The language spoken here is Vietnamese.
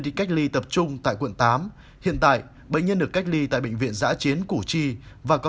đi cách ly tập trung tại quận tám hiện tại bệnh nhân được cách ly tại bệnh viện giã chiến củ chi và có